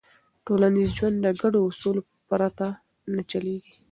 ټولنیز ژوند د ګډو اصولو پرته نه چلېږي.